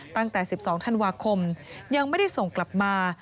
ตั้งแต่๑๒ธันวาคมยังไม่ได้ส่งกลับมา